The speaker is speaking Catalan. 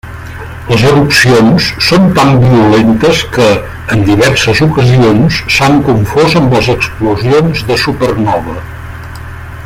Les erupcions són tan violentes que, en diverses ocasions, s'han confós amb explosions de supernova.